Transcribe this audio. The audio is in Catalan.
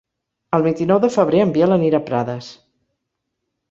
El vint-i-nou de febrer en Biel anirà a Prades.